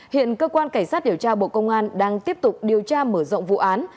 hiện cơ quan cảnh sát điều tra bộ công an đang tiếp tục điều tra mở rộng vụ án